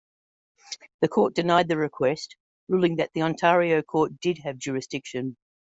The court denied the request, ruling that the Ontario court did have jurisdiction.